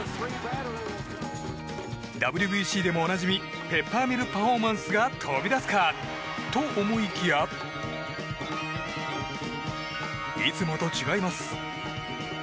ＷＢＣでもおなじみペッパーミルパフォーマンスが飛び出すかと思いきやいつもと違います。